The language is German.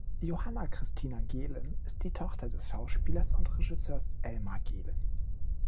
Johanna Christina Gehlen ist die Tochter des Schauspielers und Regisseurs Elmar Gehlen.